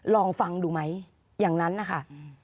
ลองฟังดูไหมอย่างนั้นนะคะ